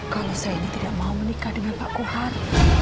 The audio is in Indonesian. kalau saya ini tidak mau menikah dengan pak kuhat